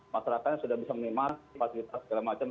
masyarakatnya sudah bisa menikmati fasilitas segala macam